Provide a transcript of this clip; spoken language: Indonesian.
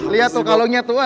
liat tuh kalungnya tua